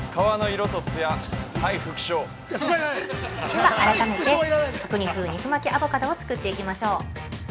◆では、改めて、角煮風肉巻きアボカドを作っていきましょう！